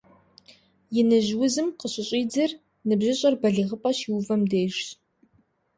Иныжь узым къыщыщӀидзэр ныбжьыщӀэр балигъыпӀэ щиувэм дежщ.